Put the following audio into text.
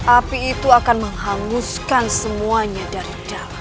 api itu akan menghanguskan semuanya dari dalam